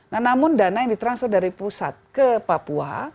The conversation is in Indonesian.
nah namun dana yang ditransfer dari pusat ke papua